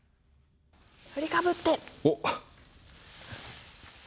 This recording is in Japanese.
振りかぶって。